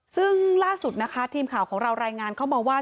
ซึ่งล่าสุดนะคะทีมข่าวของเรารายงานเข้ามาว่า